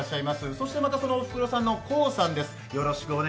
そしてまたそのおふくろさんのこうさんです。